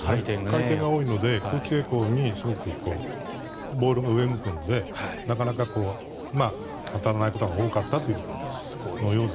回転が多いので空気抵抗にボールが上を向くのでなかなか当たらないことが多かったということです。